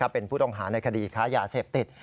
เป็นผู้ต้องหาในคดีค้ายาเสพติด